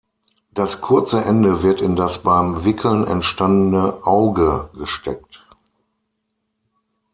Das kurze Ende wird in das beim Wickeln entstandene Auge gesteckt.